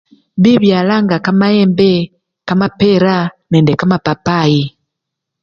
Bibyala nga kamayemb, kamapera nende kampapayi.